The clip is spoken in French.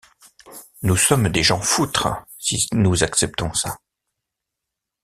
Nous sommes des jeans-foutre, si nous acceptons ça!